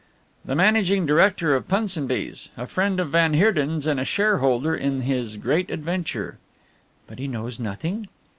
"The managing director of Punsonby's. A friend of van Heerden's and a shareholder in his Great Adventure." "But he knows nothing?"